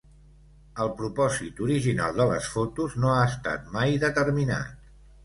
El propòsit original de les fotos no ha estat mai determinat.